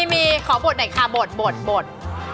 มีขอบทหน่อยค่ะบท